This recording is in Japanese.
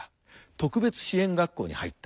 特別支援学校に入った。